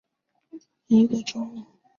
多花贝母兰为兰科贝母兰属下的一个种。